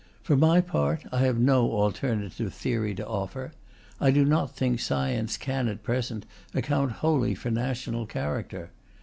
For my part, I have no alternative theory to offer. I do not think science can, at present, account wholly for national character.